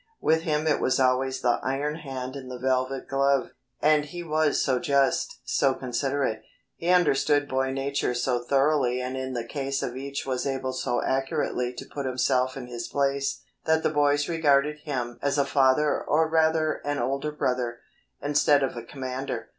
With him it was always the "iron hand in the velvet glove," and he was so just, so considerate, he understood boy nature so thoroughly and in the case of each was able so accurately to put himself in his place, that the boys regarded him as a father or rather an older brother, instead of a commander.